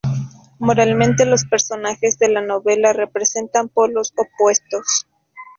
Moralmente los personajes de la novela representan polos opuestos.